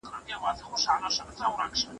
د تاریخ مطالعه زیار غواړي.